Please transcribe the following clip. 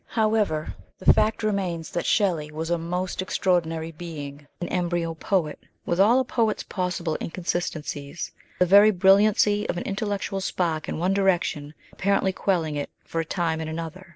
However, the fact remains that Shelley was a most extraordinary being, an embryo poet, with all a poet's possible inconsistencies, the very brilliancy of the in tellectual spark in one direction apparently quelling it for a time in another.